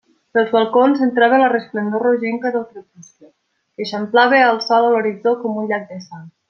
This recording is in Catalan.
Pels balcons entrava la resplendor rogenca del crepuscle, que eixamplava el sol a l'horitzó com un llac de sang.